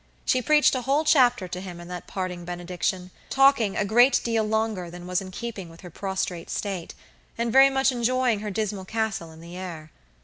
She preached a whole chapter to him in that parting benediction, talking a great deal longer than was in keeping with her prostrate state, and very much enjoying her dismal castle in the air.